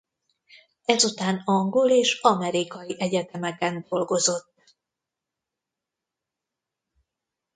Ezután angol és amerikai egyetemeken dolgozott.